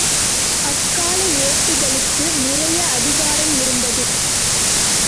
அக்கால ஏட்டுகளுக்கு நிறைய அதிகாரம் இருந்தது.